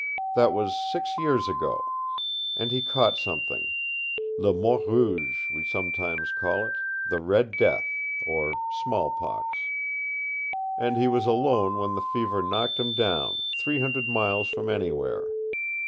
That was six years ago. And he caught something. Le Mort Rouge, we sometimes call it the Red Death or smallpox. And he was alone when the fever knocked him down, three hundred miles from anywhere.